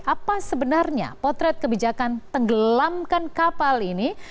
apa sebenarnya potret kebijakan tenggelamkan kapal ini